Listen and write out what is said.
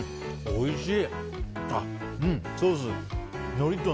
おいしい。